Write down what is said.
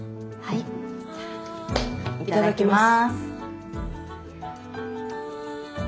いただきます。